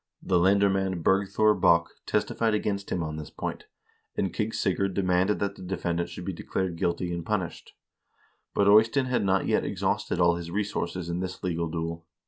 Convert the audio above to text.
The lendermand Bergthor Bokk testified against him on this point, and King Sigurd demanded that the defendant should be declared guilty and punished. But Eystein had not yet exhausted all his resources in this legal duel.